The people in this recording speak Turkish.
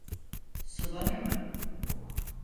Su var mı?